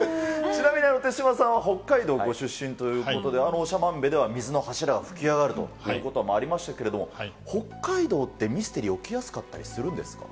ちなみに手嶋さんは北海道ご出身ということで、長万部では水の柱が噴き上がるということもありましたけれども、北海道ってミステリー起きやすかったりするんですか？